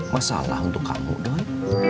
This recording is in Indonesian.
masalah untuk kamu deh